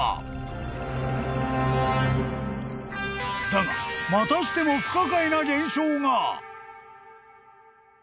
［だがまたしても不可解な現象が］